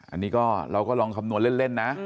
อันนี้ก็เราก็ลองคำนวณเล่นนะ